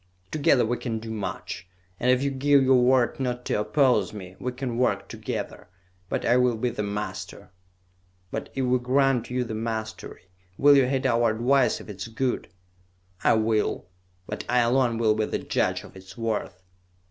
Together we can do much, and if you give your word not to oppose me, we can work together; but I will be the master!" "But, if we grant you the mastery, will you heed our advice if it is good?" "I will, but I alone will be the judge of its worth!"